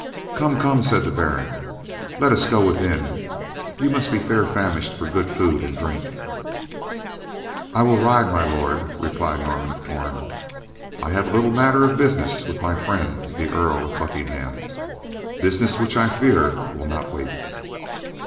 "Come, come," said the Baron, "let us go within. You must be fair famished for good food and drink." "I will ride, My Lord," replied Norman of Torn. "I have a little matter of business with my friend, the Earl of Buckingham. Business which I fear will not wait."